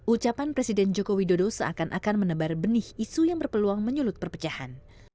ucapan presiden joko widodo seakan akan menebar benih isu yang berpeluang menyulut perpecahan